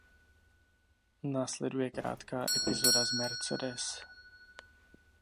Následuje krátká epizoda s Mercedes.